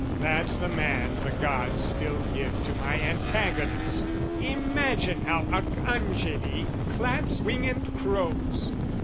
That's the man "The gods still give to my antagonist: "Imagine how Arcangeli claps wing, "And crows!